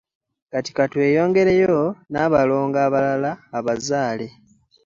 Kati ka tweyongereyo n’abalongo abazaale abalala.